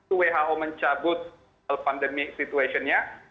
who mencabut pandemi situasinya